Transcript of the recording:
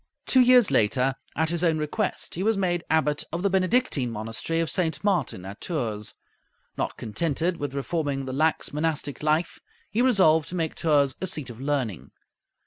Two years later, at his own request, he was made Abbot of the Benedictine monastery of St. Martin, at Tours. Not contented with reforming the lax monastic life, he resolved to make Tours a seat of learning.